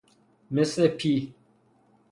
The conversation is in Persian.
مثل پیه